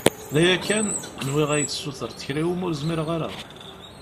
D aya kan, nwiɣ ad iyi-d-tessutreḍ kra iwimi ur zmireɣ ara.